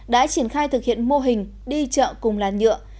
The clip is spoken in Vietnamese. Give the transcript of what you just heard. đã triển khai thực hiện mô hình đi chợ cùng làn nhựa